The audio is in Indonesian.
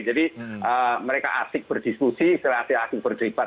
jadi mereka asik berdiskusi asik asik berdebat